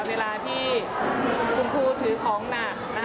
เวลาที่คุณครูถือของหนัก